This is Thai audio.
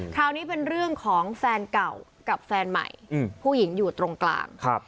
คราวนี้เป็นเรื่องของแฟนเก่ากับแฟนใหม่ผู้หญิงอยู่ตรงกลาง